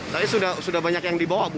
tapi sudah banyak yang dibawa